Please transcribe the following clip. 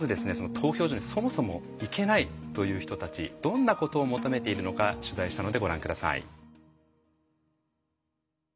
投票所にそもそも行けないという人たちどんなことを求めているのか取材したのでご覧下さい。